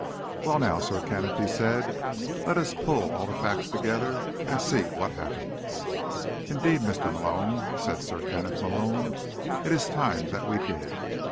"Well, now, Sir Kenneth," he said. "Let's pull all the facts together and see what happens." "Indeed, Mr. Malone," said Sir Kenneth Malone, "it is time that we did.